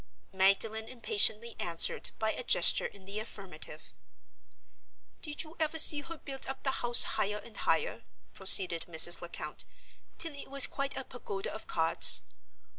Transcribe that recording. Magdalen impatiently answered by a gesture in the affirmative. "Did you ever see her build up the house higher and higher," proceeded Mrs. Lecount, "till it was quite a pagoda of cards?